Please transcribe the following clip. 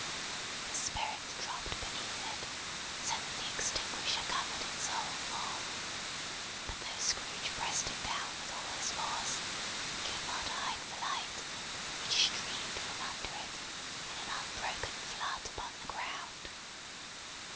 The Spirit dropped beneath it, so that the extinguisher covered its whole form; but though Scrooge pressed it down with all his force, he could not hide the light: which streamed from under it, in an unbroken flood upon the ground.